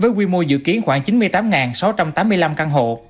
với quy mô dự kiến khoảng chín mươi tám sáu trăm tám mươi năm căn hộ